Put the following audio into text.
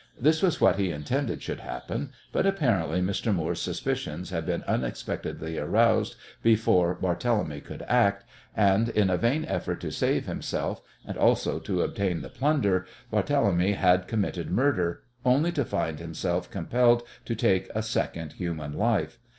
This was what he intended should happen, but apparently Mr. Moore's suspicions had been unexpectedly aroused before Barthélemy could act, and in a vain effort to save himself, and also to obtain the plunder, Barthélemy had committed murder, only to find himself compelled to take a second human life.